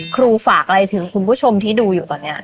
ฝากอะไรถึงคุณผู้ชมที่ดูอยู่ตอนนี้